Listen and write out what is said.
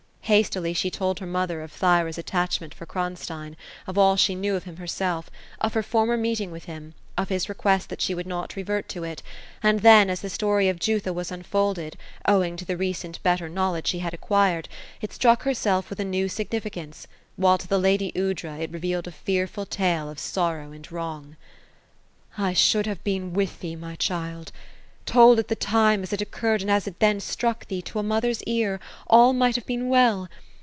Hastily she told her mother, of Thyra's attachment for Kronstein; of all she knew of him herself; of her former meeting with him ; of his request that she would not revert to it ; and then, as the story of Jutha was unfolded, owing to the recent better knowledge she had acquired, it struck herself with a new significance, while to the lady Aoudra it re vealed a fearful tale of sorrow and wrong. " I should have been with thee, my child. Told at the time, as it occurred, and as it then struck thee, to a mother's ear, all might have been well.